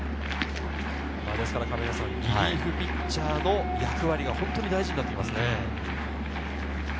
リリーフピッチャーの役割が大事になってきますね。